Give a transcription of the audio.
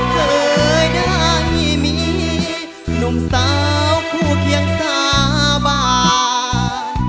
เคยได้มีหนุ่มสาวคู่เคียงสาบาน